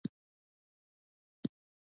• د ورځې کار د ستړیا سره مل دی.